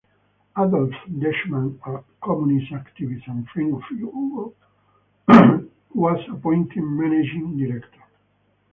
Adolf Dethmann, a Communist activist and friend of Hugo, was appointed managing director.